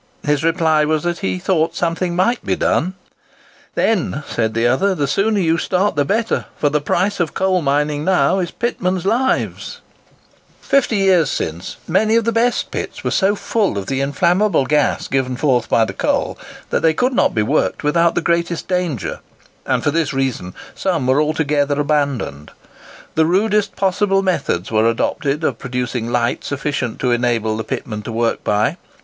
His reply was that he thought something might be done. "Then," said the other, "the sooner you start the better; for the price of coal mining now is pitmen's lives." Fifty years since, many of the best pits were so full of the inflammable gas given forth by the coal, that they could not be worked without the greatest danger; and for this reason some were altogether abandoned, The rudest possible methods were adopted of producing light sufficient to enable the pitmen to work by.